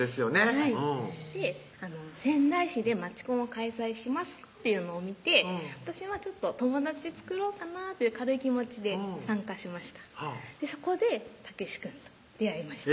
はい「仙台市で街コンを開催します」っていうのを見て私は友達作ろうかなっていう軽い気持ちで参加しましたそこで健くんと出会いました